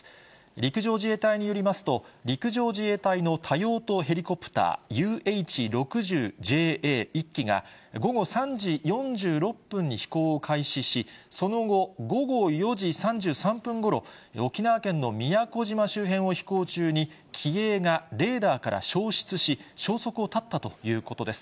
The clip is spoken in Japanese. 陸上自衛隊によりますと、陸上自衛隊の多用途ヘリコプター、ＵＨー６０ＪＡ１機が、午後３時４６分に飛行を開始し、その後、午後４時３３分ごろ、沖縄県の宮古島周辺を飛行中に、機影がレーダーから消失し、消息を絶ったということです。